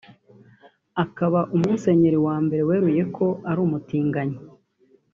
akaba umusenyeri wa mbere weruye ko ari umutinganyi